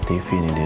nyetanya lagi misi